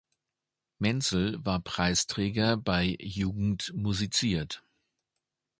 Menzel war Preisträger bei Jugend musiziert.